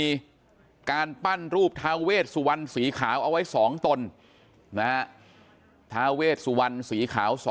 มีการปั้นรูปทาเวชสุวรรณสีขาวเอาไว้๒ตนนะฮะทาเวชสุวรรณสีขาว๒